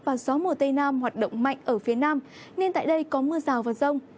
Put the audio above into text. và gió mùa tây nam hoạt động mạnh ở phía nam nên tại đây có mưa rào và rông